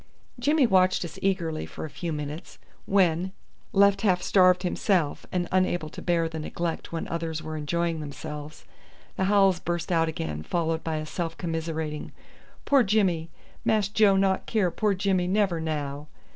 Jimmy watched us eagerly for a few minutes, when, left half starved himself, and unable to bear the neglect when others were enjoying themselves, the howls burst out again followed by a self commiserating "Poor Jimmy, Mass Joe not care poor Jimmy never now."